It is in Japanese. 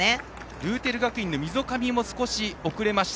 ルーテル学院の溝上も少し遅れた。